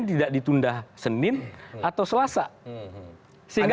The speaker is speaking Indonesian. tidak ditunda senin atau selasa sehingga